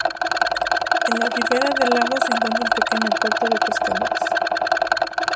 En la ribera del lago se encuentra un pequeño puerto de pescadores.